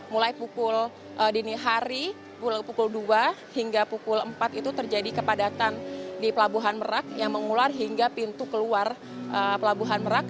mulai pukul dini hari pukul dua hingga pukul empat itu terjadi kepadatan di pelabuhan merak yang mengular hingga pintu keluar pelabuhan merak